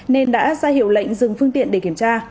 nên đã ra hiệu lệnh dừng phương tiện để kiểm tra